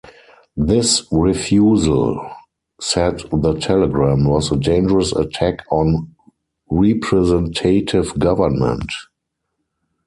This refusal, said the telegram, was a dangerous attack on representative government.